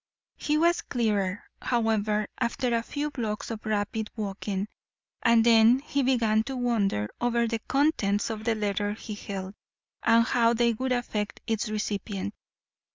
He was clearer, however, after a few blocks of rapid walking, and then he began to wonder over the contents of the letter he held, and how they would affect its recipient.